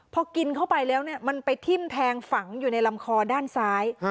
พอกินเข้าไปแล้วมันไปทิ้มแทงฝังอยู่ในลำคอด้านซ้าย